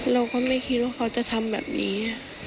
เราก็ไม่คิดว่าเขาจะทำแบบนี้